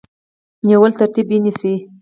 نیولو ترتیب ونیسي.